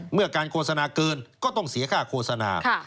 เมื่อการโฆษณาเกินก็ต้องเสียค่าโฆษณา